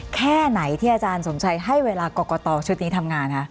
แค่ไหนที่อาจารย์สมชัยให้เวลากรกตชุดนี้ทำงานคะ